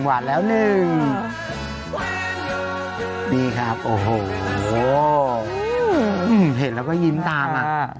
เห็นแล้วก็ยิ้มตาม